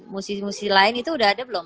musisi musisi lain itu udah ada belum